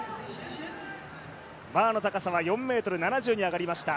バーの高さは４ｍ７０に上がりました。